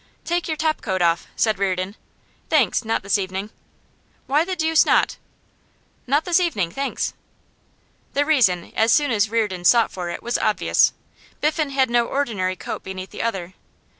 'Take your top coat off;' said Reardon. 'Thanks, not this evening.' 'Why the deuce not?' 'Not this evening, thanks.' The reason, as soon as Reardon sought for it, was obvious. Biffen had no ordinary coat beneath the other.